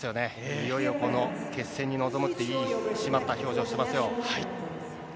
いよいよこの決戦に臨む、いい引き締まった表情をしてますよ。